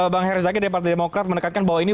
bang herzaki dari partai demokrat menekankan bahwa ini